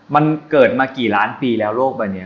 มันเกิดมากี่ล้านปีแล้วโลกใบนี้